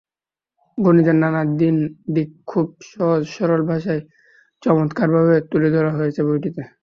গণিতের নানা দিক খুব সহজ-সরল ভাষায় চমত্কারভাবে তুলে ধরা হয়েছে বইটিতে।